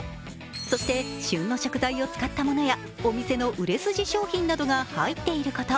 そして旬の食材を使ったものやお店の売れ筋商品などが入っていること。